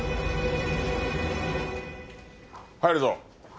入るぞ。